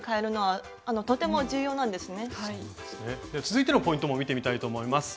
続いてのポイントも見てみたいと思います。